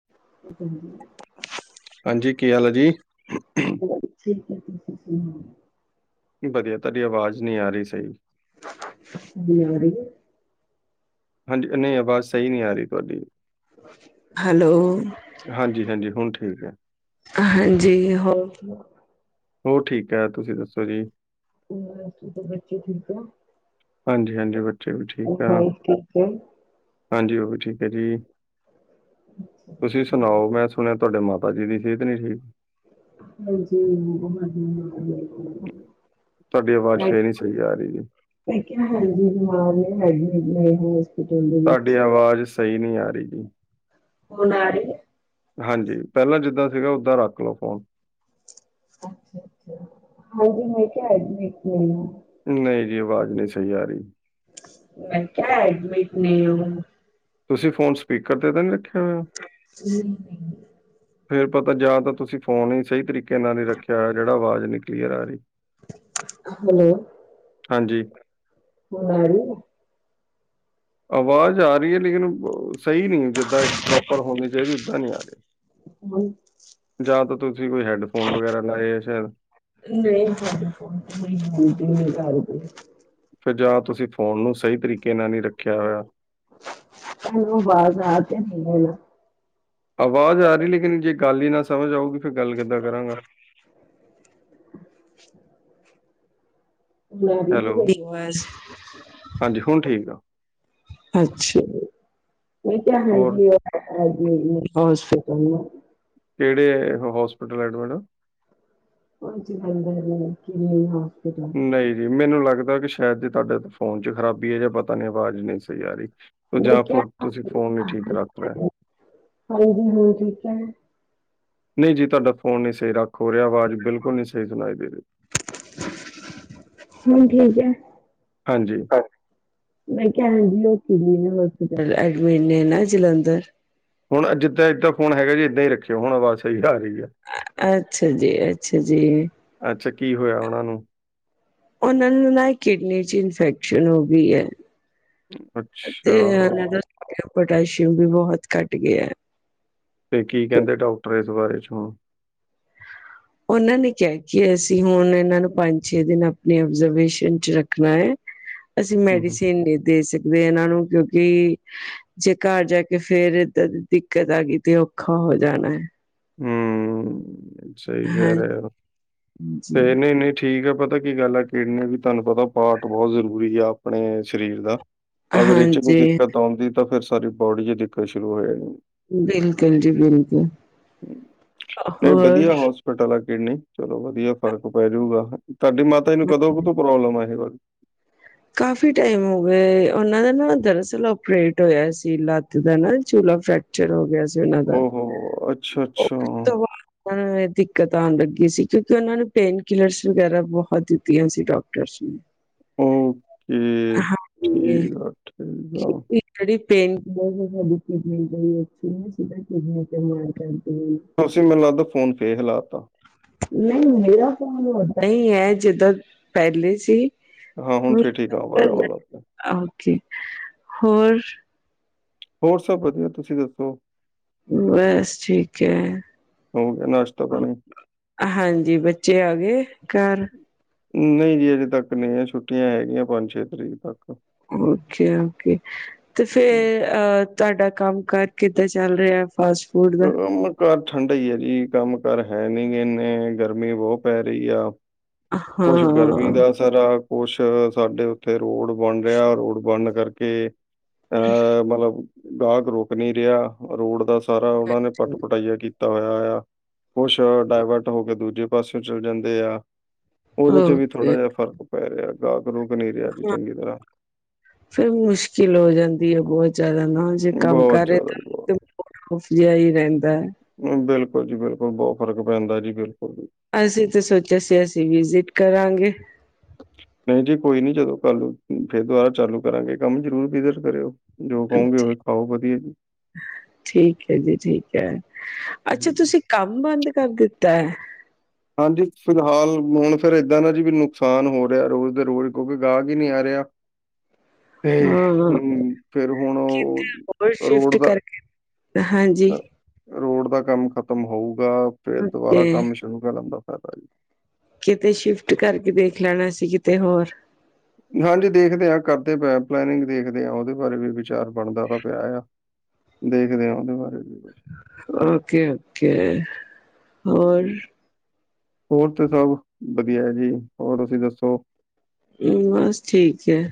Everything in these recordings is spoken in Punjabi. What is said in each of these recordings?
[unintelligible] ਹਾਂਜੀ ਕੀ ਹਾਲ ਹੈ ਜੀ। ਠੀਕ ਹੈ ਤੁਸੀਂ ਸੁਣਾਉ। ਵਧੀਆ ਤੁਹਾਡੀ ਆਵਾਜ਼ ਨਹੀਂ ਆ ਰਹੀ ਸਹੀ [inaudible] ਵਧੀਆ- ਵਧੀਆ ਹਾਂਜੀ ਨਹੀਂ ਆਵਾਜ਼ ਸਹੀ ਨਹੀਂ ਆ ਰਹੀ ਤੁਹਾਡੀ ਹੈਲੋ। ਹਾਂਜੀ -ਹਾਂਜੀ, ਹੁਣ ਠੀਕ ਹੈ। ਹਾਂਜੀ ਹੋਰ ਹੋਰ ਠੀਕ ਹੈ ਤੁਸੀਂ ਦੱਸੋ ਜੀ। ਹੋਰ ਤੂੰ ਤੇ ਬੱਚੇ ਠੀਕ ਓ। ਹਾਂਜੀ- ਹਾਂਜੀ ਬੱਚੇ ਵੀ ਠੀਕ ਆ ਵਾਈਫ ਠੀਕ ਹੈ ਹਾਂਜੀ ਉਹ ਵੀ ਠੀਕ ਆ ਜੀ। ਤੁਸੀਂ ਸੁਣਾਓ ਮੈਂ ਸੁਣਿਆ ਤੁਹਾਡੇ ਮਾਤਾ ਜੀ ਦੀ ਸਿਹਤ ਨੀ ਠੀਕ ਹਾਂਜੀ [inaudible] ਤੁਹਾਡੀ ਆਵਾਜ਼ ਫੇਰ ਹੀ ਸਹੀ ਆ ਰਹੀ ਜੀ। ਮੈਂ ਕਿਹਾ ਹਾਂਜੀ ਬਿਮਾਰ ਨੇ ਹੈਗੇ [inaudible] ਤੁਹਾਡੀ ਆਵਾਜ਼ ਸਹੀ ਨਹੀਂ ਆ ਰਹੀ ਜੀ। ਹੁਣ ਆ ਰਹੀ ਏ। ਹਾਂਜੀ ਪਹਿਲਾਂ ਜਿੱਦਾਂ ਸੀਗਾ ਓਦਾਂ ਰੱਖ ਲਓ ਫੋਨ ਹਾਂਜੀ -ਹਾਂਜੀ -ਹਾਂਜੀ ਮੈਂ ਕਿਹਾ ਐਡਿਮਿਟ ਉਹ ਨਹੀਂ ਜੀ ਆਵਾਜ਼ ਨਹੀਂ ਸਹੀ ਆ ਰਹੀ। ਮੈਂ ਕਿਆ ਐਡਮਿਟ ਨੇ ਉਹ ਤੁਸੀਂ ਫੋਨ ਸਪੀਕਰ ਤੇ ਤਾਂ ਨਹੀਂ ਰੱਖਿਆ ਹੋਇਆ। [unintelligible] ਫੇਰ ਪਤਾ ਜਾਂ ਤਾਂ ਤੁਸੀਂ ਫ਼ੋਨ ਹੀ ਸਹੀ ਤਰੀਕੇ ਨਾਲ ਹੀ ਰੱਖਿਆ ਹੋਇਆ ਜਿਹੜਾ ਆਵਾਜ਼ ਨਹੀਂ ਕਲੀਅਰ ਆ ਰਹੀ। ਹੈਲੋ ਹਾਂਜੀ ਹੁਣ ਆ ਰਹੀ ਏ। ਆਵਾਜ਼ ਆ ਰਹੀ ਹੈ ਲੇਕਿਨ ਸਹੀ ਨਹੀਂ ਜਿੱਦਾਂ ਇੱਕ ਪ੍ਰੋਪਰ ਹੋਣੀ ਚਾਹੀਦੀ ਓਦਾਂ ਨੀ ਆ ਰਹੀ। ਜਾਂ ਤਾਂ ਤੁਸੀਂ ਕੋਈ ਹੈਡਫੋਨ ਵਗੈਰਾ ਲਾਏ ਆ ਸ਼ਾਇਦ ਨਹੀ [inaudible] ਫਿਰ ਜਾਂ ਤੁਸੀਂ ਫੋਨ ਨੂੰ ਸਹੀ ਤਰੀਕੇ ਨਾਲ ਨਹੀਂ ਰੱਖਿਆ ਹੋਇਆ। ਤੈਨੂੰ ਆਵਾਜ਼ ਆ ਤੇ ਨ ਹੈ ਨਾ ਆਵਾਜ਼ ਆ ਰਹੀ ਲੇਕਿਨ ਜੇ ਗੱਲ ਹੀ ਨਾ ਸਮਝ ਆਊਗੀ ਫਿਰ ਗੱਲ ਕਿੱਦਾਂ ਕਰਾਂਗਾ। [inaudible] ਹੈਲੋ, ਹਾਂਜੀ ਹੁਣ [unintelligible] ਠੀਕ ਆ। ਅੱਛਾ ਮੈਂ ਕਿਹਾ ਹੋਰ ਹਾਂਜੀ [inaudible] ਹੋਸਪਿਟਲ ਨੇ। ਕਿਹੜੇ ਹੋਸਪਿਟਲ ਐਡਮੈਡਮ [unintelligible] ਹੋਸਪਿਟਲ ਨਹੀਂ ਜੀ ਮੈਨੂੰ ਲੱਗਦਾ ਕਿ ਸ਼ਾਇਦ ਜੇ ਤੁਹਾਡੇ ਫੋਨ 'ਚ ਖ਼ਰਾਬੀ ਹੈ ਜਾਂਦੇ ਪਤਾ ਨੀ ਆਵਾਜ਼ ਨਹੀਂ ਸਹੀ ਆ ਰਹੀ। ਮੈਂ ਜਾਂ ਕਿਹਾ ਫਿਰ ਤੁਸੀਂ ਫੋਨ ਨ ਠੀਕ ਰੱਖ ਰਹੇ। ਹਾਂਜੀ ਹਾਂ ਠੀਕ ਹੈ। ਨਹੀਂ ਜੀ ਤੁਹਾਡਾ ਫੋਨ ਨਹੀਂ ਸਹੀ ਰ ਕੋ ਰਿਆ ਆਵਾਜ਼ ਬਿਲਕੁਲ ਨਹੀਂ ਸਹੀ ਸੁਣਾਈ ਦੇ ਰਹੀ ਹੁਣ ਠੀਕ ਹੈ। ਹਾਂਜੀ। ਮੈਂ ਕਿਹਾ [unintelligible] ਹੋਸਪਿਟਲ ਐਡਮਿਟ ਨੇ ਨਾ ਜਲੰਧਰ ਹੁਣ ਜਿੱਦਾਂ ਏਦਾਂ ਫੋਨ ਹੈਗਾ ਜੀ ਏਦਾਂ ਹੀ ਰੱਖਿਓ ਹੁਣ ਆਵਾਜ਼ ਸਹੀ ਆ ਰਹੀ ਏ। ਅੱਛਾ ਜੀ- ਅੱਛਾ ਜੀ ਅੱਛਾ ਕੀ ਹੋਇਆ ਉਹਨਾਂ ਨੂੰ? ਉਹਨਾਂ ਨੂੰ ਨਾ ਕਿਡਨੀ 'ਚ ਇਨਫੈਕਸ਼ਨ ਹੋ ਗਈ ਹੈ। ਤੇ ਅੱਛਾ ਇਹਨਾਂ ਦਾ ਪੋਟਾਸ਼ੀਅਮ ਵੀ ਬਹੁਤ ਘੱਟ ਗਿਆ। ਫਿਰ ਕੀ ਕਹਿੰਦੇ ਡਾਕਟਰ ਇਸ ਬਾਰੇ ਚ ਹੁਣ? ਉਹਨਾਂ ਨੇ ਕਿਹਾ ਕਿ ਅਸੀਂ ਹੁਣ ਇਹਨਾਂ ਨੂੰ ਪੰਜ ਛੇ ਦਿਨ ਆਪਣੀ ਓਬਜ਼ਰਵੇਸ਼ਨ ਚ ਰੱਖਣਾ ਹੈ। ਹ ਅਸੀਂ ਮੈਡੀਸਿਨ ਨਹੀਂ ਦੇ ਸਕਦੇ ਇਹਨਾਂ ਨੂੰ ਕਿਉਂਕਿ। ਜੇ ਘਰ ਜਾ ਕੇ ਫੇਰ ਏਦਾਂ ਦੀ ਦਿੱਕਤ ਆ ਗਈ ਤੇ ਔਖਾ ਹੋ ਜਾਣਾ ਹੈ। ਹਮ ਸਹੀ ਕਹਿ ਰਹੇ ਹੋ ਹਾਂਜੀ। ਤੇ ਇਹਨੇ ਨਹੀਂ। ਠੀਕ ਹੈ ਪਤਾ ਕੀ ਗੱਲ ਆ ਕਿਡਨੀ ਵੀ ਤੁਹਾਨੂੰ ਪਤਾ ਪਾਾਰਟ ਬਹੁਤ ਜ਼ਰੂਰੀ ਆ ਆਪਣੇ ਸਰੀਰ ਦਾ ਅਗਰ ਇਹਦੇ ਵਿੱਚ ਕੋਈ ਹਾਂਜੀ ਦਿੱਕਤ ਆਉਂਦੀ ਤਾਂ ਫਿਰ ਸਾਰੀ ਬੋਡੀ ਚ ਦਿੱਕਤ ਸ਼ੁਰੂ ਹੋ ਜਾਣੀ। ਬਿਲਕੁਲ ਜੀ ਬਿਲਕੁਲ। ਇਹ ਹੋਰ ਵਧੀਆ ਹੋਸਪਿਟਲ ਆ ਕਿਡਨੀ ਚਲੋ ਵਧੀਆ ਫ਼ਰਕ ਪੈ ਜਊਗਾ। ਤੁਹਾਡੀ ਮਾਤਾ ਜੀ ਨੂੰ ਕਦੋਂ ਕਦੋਂ ਪ੍ਰੋਬਲਮ ਇਹ ਵਾਲੀ। ਕਾਫੀ ਟਾਈਮ ਹੋ ਗਏ ਉਹਨਾਂ ਦਾ ਨਾ ਦਰਅਸਲ ਓਪਰੇਟ ਹੋਇਆ ਸੀ। ਲੱਤ ਦਾ ਨਾ ਚੂਲਾ ਫੈਕ ਜਿਹੜਾ ਹੋ ਗਿਆ ਸੀ ਉਹਨਾਂ ਦਾ ਓ ਹੋ! ਅੱਛਾ-ਅੱਛਾ। ਦਿੱਕਤ ਆਣ ਲੱਗੀ ਸੀ ਕਿਉਂਕਿ ਉਹਨਾਂ ਨੂੰ ਪੇਨ ਕਿਲਰ ਵਗੈਰਾ ਦਿੱਤੀਆਂ ਸੀ ਡਾਕਟਰਸ ਉਹ ਇਹ ਹਾਂਜੀ, ਠੀਕ ਆ ਠੀਕ ਆ। ਕਿਉਂਕਿ ਜਿਹੜੀ ਪੇਂਟ [inaudible] ਅਸੀਂ ਮੈਨੂੰ ਲੱਗਦਾ ਫੋਨ ਫੇਰ ਹ ਤਾ। ਨਹੀਂ ਮੇਰਾ ਫੋਨ ਉਦਾਂ ਹੀ ਆ ਜਿੱਦਾਂ ਪਹਿਲੇ ਸੀ। ਹੁਣ ਫਿਰ ਠੀਕ ਆ। ਆਹੋ ਜੀ ਹੋਰ? ਹੋਰ ਸਭ ਵਧੀਆ ਤੁਸੀਂ ਦੱਸੋ। ਬਸ ਠੀਕ ਹੈ। ਹੋ ਗਿਆ ਨਾਸ਼ਤਾ ਪਾਣੀ। ਹਾਂਜੀ ਬੱਚੇ ਆ ਗਏ ਘਰ? ਨਹੀਂ ਜੀ ਅਜੇ ਤੱਕ ਨਹੀਂ ਛੁੱਟੀਆਂ ਹੈਗੀਆਂ ਪੰਜ ਛੇ ਤਰੀਕ ਓਕੇ ਓਕੇ ਤੇ ਹੂੰ, ਫਿਰ ਤੁਹਾਡਾ ਕੰਮ ਕਾਰ ਕਿੱਦਾਂ ਚੱਲ ਰਿਹਾ ਫਸਟ। ਕਾਰ ਠੰਡਾ ਹੀ ਆ ਜੀ ਕੰਮ ਕਰ ਹੈ ਨਹੀਂ ਇਨੇ ਗਰਮੀ ਬਹੁਤ ਪੈ ਰਹੀ ਆ। ਕੁਛ ਗਰਮੀ ਹਾਂ, ਦਾ ਜਰਾ ਕੁਛ ਸਾਡੇ ਉੱਤੇ ਰੋਡ ਬਣ ਰਿਹਾ ਰੋਡ ਬਣਨ ਕਰਕੇ। ਮਤਲਬ ਗਾਹਕ ਰੁਕ ਨਹੀਂ ਰਿਹਾ ਰੋਡ ਦਾ ਸਾਰਾ ਉਹਨਾਂ ਨੇ ਪੱਟ ਪਟਈਆ। ਕੁਛ ਡਾਏਵਰਟ ਹੋ ਕੇ ਦੂਜੇ ਪਾਸਿਓਂ ਚਲ ਜਾਂਦੇ। ਉਹਦੇ ਚ ਵੀ ਓਕੇ ਥੋੜਾ ਜਿਹਾ ਫਰਕ ਪੈ ਰਿਹਾ ਗਾਹਕ ਗੁਹਕ ਨਹੀਂ ਰਿਹਾ ਹਾਂ ਚੰਗੀ ਤਰ੍ਹਾਂ। ਫਿਰ ਮੁਸ਼ਕਿਲ ਹੋ ਜਾਂਦੀ ਹੈ ਬਹੁਤ ਜਿਆਦਾ ਨਾ ਜੇ ਕੰਮ ਬਹੁਤ ਕਰ ਰਹੇ ਜ਼ਿਆਦਾ ਜੀ ਤਾਂ ਬਹੁਤ। ਤੇ ਮੂਡ ਓਫ ਜਿਹਾ ਹੀ ਰਹਿੰਦਾ ਹੈ। ਬਿਲਕੁਲ ਜੀ, ਬਿਲਕੁਲ, ਬਹੁਤ ਫਰਕ ਪੈਂਦਾ ਜੀ ਬਿਲਕੁਲ। ਅਸੀਂ ਤੇ ਸੋਚਿਆ ਸੀ ਅਸੀਂ ਜਿੱਦ ਕਰਾਂਗੇ। ਨਹੀਂ ਜੀ ਕੋਈ ਨਹੀਂ ਜਦੋਂ ਕੱਲ ਫਿਰ ਦੁਬਾਰਾ ਚਾਲੂ ਕਰਾਂਗੇ ਕੰਮ ਜਰੂਰ ਵਿਜਿਟ ਕਰੀਓ। ਜੋ ਕਹੋਗੇ ਪਾਓ ਵਧੀਆ। ਠੀਕ ਹੈ ਜੀ, ਠੀਕ ਹੈ ਅੱਛਾ ਹਾਂਜੀ, ਤੁਸੀਂ। ਕੰਮ ਬੰਦ ਕਰ ਦਿੱਤਾ। ਹਾਂਜੀ ਫਿਲਹਾਲ ਹੁਣ ਫਿਰ ਇਦਾਂ ਨਾ ਜੀ ਵੀ ਨੁਕਸਾਨ ਹੋ ਰਿਹਾ ਰੋਜ਼ ਦੇ ਰੋਜ਼ ਕਿਉਂਕਿ ਗਾਹਕ ਹੀ ਨਹੀਂ ਆ ਰਿਹਾ। ਤੇ ਹਾਂ, ਫਿਰ ਹੁਣ ਉਹ ਰੋਡ ਦਾ। ਤਾਂ ਹਾਂਜੀ ਰੋਡ ਦਾ ਕੰਮ ਖਤਮ ਹੋਊਗਾ ਫਿਰ ਦੁਬਾਰਾ ਓਕੇ, ਕੰਮ ਸ਼ੁਰੂ ਕਰਨ ਦਾ ਫਾਇਦਾ ਜੀ। ਕਿਤੇ ਸ਼ਿਫਟ ਕਰਕੇ ਦੇਖ ਲੈਣਾ ਸੀ ਕਿਤੇ ਹੋਰ। ਨਾ ਜੀ ਦੇਖਦੇ ਆ ਕਰਦੇ ਪਲੈਨਿੰਗ ਦੇਖਦੇ ਆ ਉਹਦੇ ਬਾਰੇ ਵੀ ਵਿਚਾਰ ਬਣਦਾ ਤਾਂ ਪਿਆ ਆ। ਦੇਖਦੇ ਆ ਉਹਦੇ ਬਾਰੇ ਵੀ। ਕੁਛ ਓਕੇ ਓਕੇ ਹੋਰ? ਜੀ। ਹੋਰ ਤੇ ਸਭ ਵਧੀਆ ਹੈ ਜੀ ਹੋਰ ਤੁਸੀਂ ਦੱਸੋ? ਬਸ ਠੀਕ ਏ,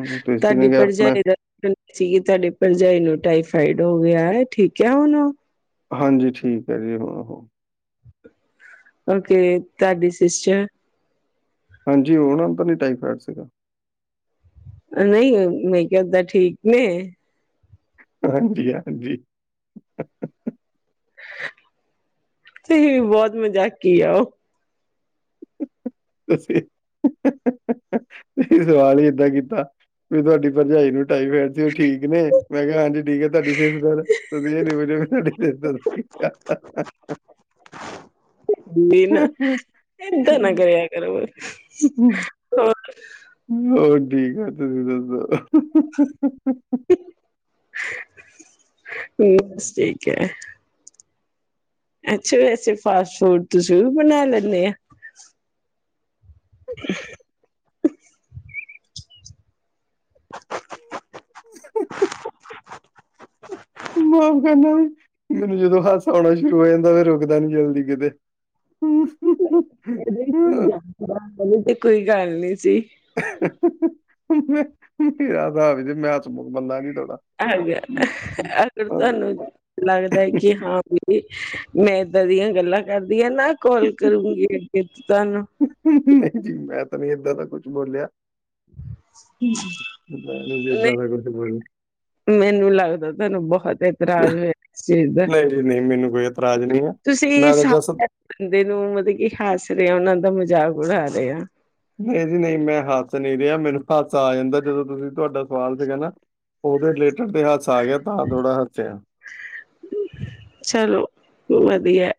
ਹੂੰ, ਤੁਸੀਂ ਤਾਡੀ ਨੇ ਕਿਹਾ ਆਪਣਾ ਪਰਜਾਈ [unintelligible] ਚੀਜ਼ ਤੁਹਾਡੇ ਭਰਜਾਈ ਨੂੰ ਟਾਈਫਾਇਡ ਹੋ ਗਿਆ ਠੀਕ ਹਾ ਉਹਨੂੰ। [unintelligible] ਓਕੇ ਤੁਹਾਡੀ ਸਿਸਟਰ। ਹਾਂਜੀ ਉਹ ਨਾ ਪਤਾ ਨੀ ਟਾਈਫਾਈਡ ਸੀਗਾ। ਨਹੀਂ ਨਹੀਂ ਕਹਿੰਦਾ ਠੀਕ ਨੇ। ਹਾਂਜੀ ਹਾਂਜੀ। ਤੁਸੀਂ ਵੀ ਬੋਤ ਮਜ਼ਾਕੀ ਆ ਓ। ਤੁਸੀ ਤੁਸੀਂ ਸਵਾਲ ਈ ਏਦਾਂ ਕੀਤਾ, ਵੀ ਤੁਆਡੀ ਪਰਜਾਈ ਨੂੰ ਟਾਈਫੇਡ ਠੀਕ ਨੇ ਮੈਂ ਕਿਹਾ ਐਜ ਠੀਕ ਹ ਤੁਹਾਡੀ ਤੇ। ਹਾ। ਮੇਰੇ ਨਾਲ ਐਦਾ ਨਾ ਕਰਿਆ ਕਰੋ। ਹੂੰ। ਹਾਂ। ਮੈਂ ਠੀਕ ਆ, ਤੁਸੀਂ ਦੱਸੋ? ਬਸ ਠੀਕ ਐ, ਅੱਛਾ, ਵੈਸੇ ਫਾਸਟ ਫੂਡ ਤੁਸੀਂ ਵੀ ਬਣਾ ਲੈਂਦੇ ਹਾ। ਹਾਂ। ਹਾ। ਮਾਫ਼ ਕਰਨਾ ਮੈਨੂੰ ਜਦੋਂ ਹਾਸਾ ਆਣਾ, ਸ਼ੁਰੂ ਹੋ ਜਾਂਦਾ ਫੇਰ ਰੁਕਦਾ ਨੀ ਜਲਦੀ ਕਿਤੇ। [inaudible] ਮੈਂ- [unintelligible] ਮਰਾ ਵੀ ਮੈਂ ਚਮਕ ਮਲਾ ਨੀ ਥੋੜਾ। ਹਾਂਜੀ ਅਗਰ ਤਾਨੂੰ ਲੱਗਦਾ ਹੈ। ਕਿ, ਹਾਂ ਵੀ ਮੈਂ ਏਦਾਂ ਦੀਆਂ ਗੱਲਾਂ ਕਰਦੀ ਹਾਂ ਨਾ ਕੋਲ ਕਰੂੰਗੀ ਅੱਗੇ। ਤਾਨੂੰ ਨਹੀਂ ਜੀ ਮੈਂ ਤਾਂ ਨੀ ਏਦਾਂ ਦਾ ਕੁੱਛ ਬੋਲਿਆ। ਨਹੀਂ ਐਦਾ ਦਾ ਕੁਛ। ਮੈਨੂੰ ਲੱਗਦਾ, ਤੁਹਾਨੂੰ ਬਹੁਤ ਇਤਰਾਜ ਹੋਇਆ ਇਸ ਚੀਜ਼ ਦਾ। ਨਹੀਂ-ਨਹੀਂ ਮੈਨੂੰ ਕੋਈ ਇਤਰਾਜ਼ ਨਹੀਂ ਹੈ। ਤੁਸੀਂ ਮੈਂ ਤਾਂ [unintelligible] ਜਸਟ ਬੰਦੇ ਨੂੰ ਮਤਲਬ ਕਿ ਹੱਸ ਰਏ ਆ ਉਹਨਾਂ ਦਾ ਮਜ਼ਾਕ ਉਡਾ ਰਏ ਆ। ਨਹੀਂ ਜੀ ਨਹੀਂ ਮੈਂ ਹੱਸ ਨੀ ਰਿਆ, ਮੈਨੂੰ ਹਾਸਾ ਆ ਜਾਂਦਾ ਜਦੋਂ ਤੁਸੀਂ ਤੁਹਾਡਾ ਸਵਾਲ ਸੀਗਾ ਨਾ। ਉਹਦੇ ਰਿਲੇਟਡ ਤੇ ਹਾਸਾ ਆ ਗਿਆ, ਤਾਂ ਥੋੜਾ ਹੱਸਿਆ ਚਲੋ ਵਧੀਆ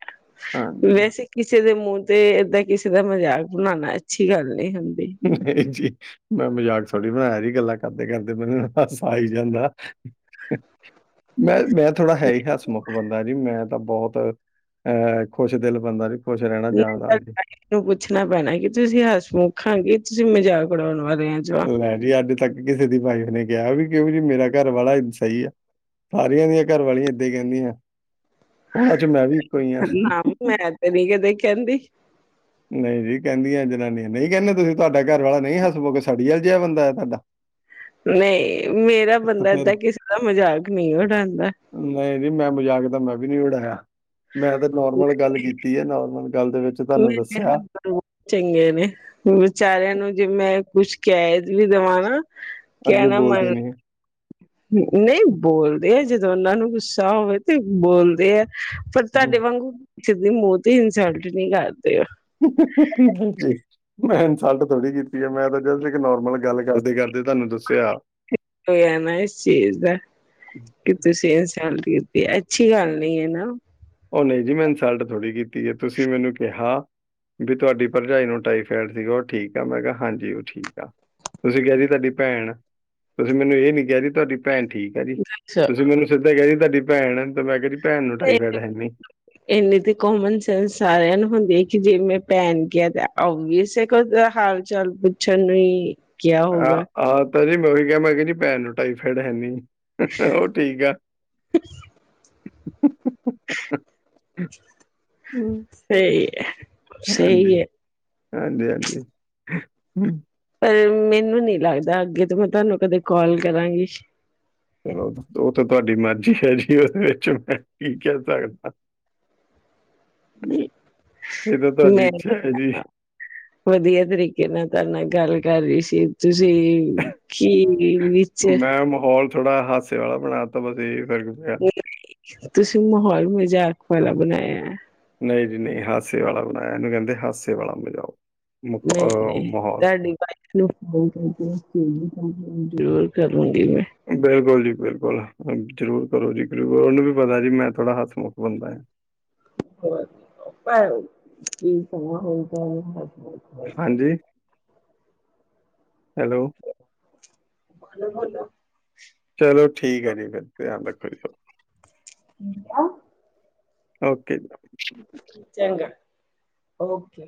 ਹਾਂਜੀ। ਵੈਸੇ, ਕਿਸੇ ਦੇ ਮੂੰਹ ਤੇ ਏਦਾਂ ਕਿਸੇ ਦਾ ਮਜ਼ਾਕ ਬਣਾਣਾ ਅੱਛੀ ਗੱਲ ਨੀ ਹੁੰਦੀ। ਮੈਂ ਜੀ ਮੈਂ ਮਜ਼ਾਕ ਥੋੜ੍ਹੀ ਬਣਾਏਆ ਜੀ ਗੱਲਾਂ ਕਰਦੇ-ਕਰਦੇ ਮੈਨੂੰ ਹਾਸਾ ਆਈ ਜਾਂਦਾ। ਮੈਂ' ਮੈਂ ਥੋੜਾ ਹੈ ਹੀ ਹੱਸਮੁੱਖ ਬੰਦਾ ਜੀ ਮੈਂ ਤਾਂ ਬਹੁਤ ਅਹ ਖੁਸ਼ ਦਿਲ ਬੰਦਾ ਜੀ ਖੁਸ਼ ਰਹਿਣਾ ਚਾਂਦਾ ਜੀ। ਨੂੰ ਪੁੱਛਣਾ ਪੈਣਾ ਕਿ ਤੁਸੀਂ ਹਸ ਮੁਖ ਆਂਗੇ ਤੁਸੀਂ ਮਜ਼ਾਕ ਉਡਾਉਣ ਵਾਲੇ ਆ? ਜਵਾ ਲੈ ਜੀ ਅੱਜ ਤੱਕ ਕਿਸੇ ਦੀ ਬਾਈਫ ਨੇ ਕਿਹਾ ਵੀ ਕਿਉਂ ਜੀ ਮੇਰਾ ਘਰ ਵਾਲਾ ਸਈ ਆ। ਸਾਰੀਆਂ ਦੀਆਂ ਘਰਵੀਆਂ ਏਦਾਂ ਈ ਕਹਿੰਦੀਆਂ, ਉਹਨਾਂ ਚ ਮੈਂ ਵੀ ਇੱਕੋ ਈ ਆ। ਨਾ ਮੈਂ ਤੇ ਮੈਂ ਨੀ ਕਦੇ ਕਹਿੰਦੀ। ਨਈ ਜੀ ਕਹਿੰਦੀਆਂ ਜਨਾਨੀਆਂ ਨਈ, ਕਹਿੰਦੇ ਤੁਸੀਂ ਤੁਹਾਡਾ ਘਰ ਵਾਲਾ ਨਹੀਂ ਹੱਸ ਮੁਖ ਕਿ ਸਡਿਆਲ ਜਾ ਬੰਦਾ ਤੁਹਾਡਾ, [inaudible] ਨਈ, ਮੇਰਾ ਤਾਂ ਬੰਦਾ ਫਿਰ ਏਦਾਂ ਕਿਸੇ ਦਾ ਮਜ਼ਾਕ ਨੀ ਉਡਾਂਦਾ। ਨਹੀਂ ਜ ਮੈਂ ਮਜਾਕ ਤਾਂ ਮੈਂ ਵੀ ਨੀ ਉਡਾਇਆ। ਮੈਂ ਤੇ ਨੋਰਮਲ ਗੱਲ ਕੀਤੀ ਏ, ਨੋਰਮਲ ਗੱਲ ਦੇ ਵਿੱਚ ਤੁਆਨੂੰ ਦੱਸ [unintelligible] ਬਹੁਤ ਚੰਗੇ ਨੇ ਵਿਚਾਰਿਆਂ ਨੂੰ ਜੇ ਮੈਂ ਕੁਛ ਕਹਿ ਵੀ ਦੇਵਾ ਨਾ। ਅੱਗੇ ਕਹਿਣਾ ਬੋਲਦੇ ਮੰਨ ਨੇ। ਨਹੀਂ ਬੋਲਦੇ ਆ ਜਦੋਂ ਉਹਨਾਂ ਨੂੰ ਗੁੱਸਾ ਹੋਵੇ ਤੇ ਬੋਲਦੇ ਆ। ਪਰ ਤੁਹਾਡੇ ਹਮ। ਵਾਂਗੂ ਕਿਸ ਦੀ ਮੌਤ ਦੀ ਇਨਸਲਟ ਨਹੀਂ ਕਰਦੇ। ਕੀ ਬੇ ਮੈਂ ਇਨਸਲਟ ਥੋੜ੍ਹੀ ਕੀਤੀ ਹੈ ਮੈਂ ਤਾਂ ਜਸਟ ਇੱਕ ਨੋਰਮਲ ਗੱਲ ਕਰਦੇ ਕਰਦੇ ਤੁਹਾਨੂੰ ਦੱਸਿਆ। ਹੋਇਆ ਨਾ ਇਸ ਚੀਜ਼ ਦਾ। ਕਿ ਤੁਸੀਂ ਇਨਸਲਟ ਕੀਤੀ ਅੱਛੀ ਗੱਲ ਨਹੀਂ ਹੈ ਨਾ। ਉਹ ਨਹੀਂ ਜੀ ਮੈਂ ਇਨਸਲਟ ਥੋੜ੍ਹੀ ਕੀਤੀ ਹੈ, ਤੁਸੀਂ ਮੈਨੂੰ ਕਿਹਾ। ਵੀ ਤੁਹਾਡੀ ਭਰਜਾਈ ਨੂੰ ਟਾਈਫੈਡ ਸੀ, ਉਹ ਠੀਕ ਆ ਮੈਂ ਕਿਹਾ ਹਾਂਜੀ ਉਹ ਠੀਕ ਆ। ਤੁਸੀਂ ਕਿਹਾ ਜੀ ਤੁਹਾਡੀ ਭੈਣ ਤੁਸੀਂ ਮੈਨੂੰ ਇਹ ਨਹੀਂ ਕਿਹਾ ਜੀ ਤੁਹਾਡੀ ਭੈਣ ਠੀਕ। ਹਾਂਜੀ ਅੱਛਾ, ਤੁਸੀਂ ਮੈਨੂੰ ਸਿੱਧਾ ਕਿਹਾ ਜੀ, ਤੁਹਾਡੀ ਭੈਣ ਤੇ ਮੈਂ ਕਿਹਾ ਜੀ ਭੈਣ ਨੂੰ ਟਾਈਫਾਈਡ ਹੈ। ਨਹੀਂ ਇੰਨੀ ਤੇ ਕੋਮਨ ਸੈਂਸ ਸਾਰਿਆਂ ਨੂੰ ਹੁੰਦੀ ਆ ਕਿ ਜੇ ਮੈਂ ਭੈਣ ਗਿਆ ਜਾ ਓਵੀਅਸ ਐ ਕਿ ਉਸਦਾ ਹਾਲ ਚਾਲ ਪੁੱਛਣ ਲਈ ਆਹ-ਆਹ ਤਾਂ ਜੀ ਮੈਂ ਉਹੀ ਕਿਹਾ ਮੈਂ ਕਿਹਾ ਜੀ ਭੈਣ ਨੂੰ ਟਾਈਫਾਈਡ ਹੈਨੀ। ਉਹ ਠੀਕ ਆ। ਹੂੰ ਸਹੀ ਹੈ ਹਾਂਜੀ। ਸਹੀ ਹੈ ਹਾਂਜੀ-ਹਾਂਜੀ। ਪਰ ਮੈਨੂੰ ਨਹੀਂ ਲੱਗਦਾ ਅੱਗੇ ਤੋਂ ਮੈਂ ਤੁਹਾਨੂੰ ਕਦੇ ਕਾਲ ਕਰਾਂਗੀ। ਚਲੋ ਉਹ ਤਾਂ ਤੁਹਾਡੀ ਮਰਜ਼ੀ ਹੈ ਜੀ ਉਹਦੇ ਵਿੱਚ ਮੈਂ ਕੀ ਕਹਿ ਸਕਦਾ। ਜੀ ਇਹ ਤਾਂ ਤੁਹਾਡੀ ਮੈਂ ਇੱਛਾ ਹੈ ਜੀ ਕਿਹਾ ਵਧੀਆ ਤਰੀਕੇ ਨਾਲ ਤੁਹਾਡੇ ਨਾਲ ਗੱਲ ਕਰ ਰਹੀ ਸੀ ਤੁਸੀਂ ਕੀ ਮੈਂ ਮਾਹੌਲ ਥੋੜਾ ਹਾਸੇ ਵਾਲਾ ਬਣਾਤਾ ਬਸ ਇਹ ਫਿਰ ਤੁਸੀਂ ਮਾਹੌਲ ਮਜ਼ਾਕ ਵਾਲਾ ਬਣਾਇਆ ਐ। ਨਹੀਂ ਜੀ ਨਹੀਂ ਹਾਸੇ ਵਾਲਾ ਬਣਾਇਆ ਇਹਨੂੰ ਕਹਿੰਦੇ ਹਾਸੇ ਵਾਲਾ ਮਾਹੌਲ। ਮੁਖ- ਅਹ ਨਹੀਂ-ਨਹੀਂ ਤੁਹਾਡੀ ਭਾਈ [unintelligible] ਜ਼ਰੂਰ ਕਰੂੰਗੀ ਮੈਂ। ਬਿਲਕੁਲ ਜੀ ਬਿਲਕੁਲ ਜ਼ਰੂਰ ਕਰੋ ਜੀ ਕਰ ਉਹਨੂੰ ਵੀ ਪਤਾ ਜੀ ਮੈਂ ਥੋੜਾ ਹੱਥ ਮੁੱਖ ਬੰਦਾ ਹੈ। [inaudible] ਹਾਂਜੀ ਹੈਲੋ। [inaudible] ਚਲੋ ਠੀਕ ਹੈ ਜੀ ਫਿਰ ਧਿਆਨ ਰੱਖੋ ਜੀ। ਓਕੇ ਚੰਗਾ। ਓਕੇ।